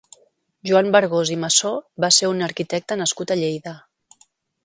Joan Bergós i Massó va ser un arquitecte nascut a Lleida.